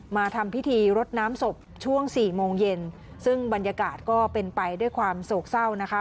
มาทำพิธีรดน้ำศพช่วงสี่โมงเย็นซึ่งบรรยากาศก็เป็นไปด้วยความโศกเศร้านะคะ